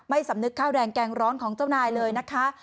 สำนึกข้าวแดงแกงร้อนของเจ้านายเลยนะคะ